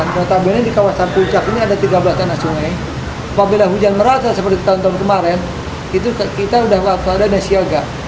notabene di kawasan puncak ini ada tiga belas tanah sungai apabila hujan merasa seperti tahun tahun kemarin kita sudah melakukan siaga